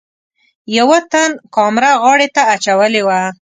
یوه تن کامره غاړې ته اچولې وه.